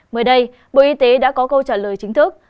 mới đây bộ y tế đã có câu trả lời chính thức